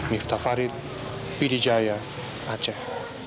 miftah farid pidijaya aceh